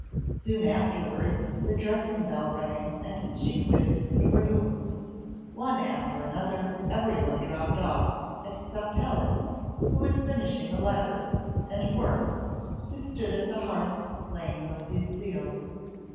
Soon afterwards the dressing bell rang and she quitted the room; one after another every one dropped off, except Helen, who was finishing a letter, and Horace, who stood on the hearth playing with his seal.